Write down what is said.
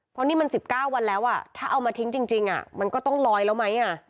เพราะนี่มัน๑๙วันแล้วถ้าเอามาทิ้งจริงมันก็ต้องลอยแล้วไหม